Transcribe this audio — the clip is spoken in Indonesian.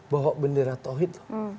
bahwa bendera tohit